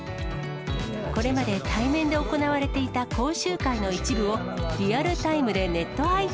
これまで対面で行われていた講習会の一部を、リアルタイムでネット配信。